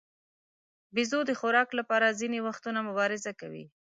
بیزو د خوراک لپاره ځینې وختونه مبارزه کوي.